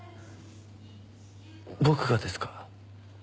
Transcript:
僕がですか？